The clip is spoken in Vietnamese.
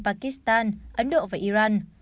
pakistan ấn độ và iran